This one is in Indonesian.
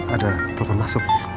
ada telepon masuk